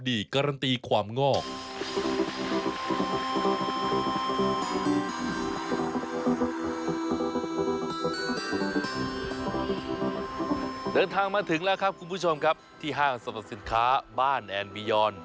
เดินทางมาถึงแล้วครับคุณผู้ชมครับที่ห้างสรรพสินค้าบ้านแอนบียอน